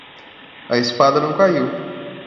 A espada não caiu.